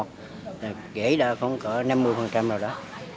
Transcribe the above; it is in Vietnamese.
gãy đã khoảng năm mươi rồi đó